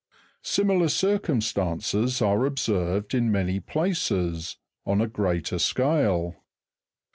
Similar circumstances are observed in many places, on a greater scale.